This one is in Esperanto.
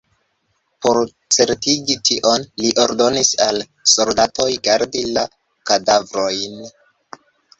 Por certigi tion, li ordonis al soldatoj gardi la kadavrojn.